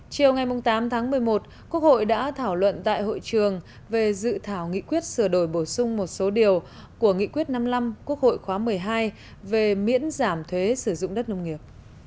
chiều ngày tám tháng một mươi một quốc hội đã thảo luận tại hội trường về dự thảo nghị quyết sửa đổi bổ sung một số điều của nghị quyết năm mươi năm quốc hội khóa một mươi hai về miễn giảm thuế sử dụng đất nông nghiệp